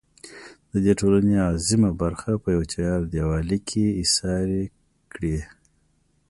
د دې ټـولنې اعظـيمه بـرخـه پـه يـوه چـارديـوالي کـې اېـسارې کـړي.